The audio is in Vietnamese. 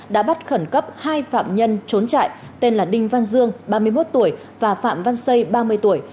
đã bắt khẩn cấp hai phạm nhân trốn trại tên là đinh văn dương ba mươi một tuổi và phạm văn xây ba mươi tuổi